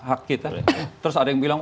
hak kita terus ada yang bilang